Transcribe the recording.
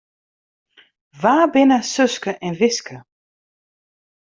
Wa binne Suske en Wiske?